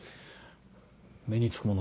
目につくもの